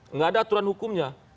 enggak ada aturan hukumnya